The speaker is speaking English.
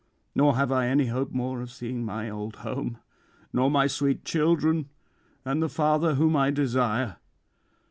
Nor have I any hope more of seeing my old home nor my sweet children and the father whom I desire.